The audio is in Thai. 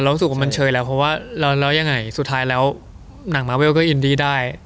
รู้สึกว่ามันเชยแล้วเพราะว่าแล้วยังไงสุดท้ายแล้วหนังมาเวลก็อินดี้ได้